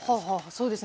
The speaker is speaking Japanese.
そうですね。